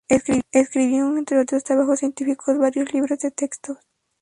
Escribió entre otros trabajos científicos varios libros de textos.